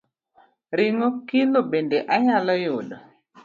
Ring’o kilo bende anyalo yudo?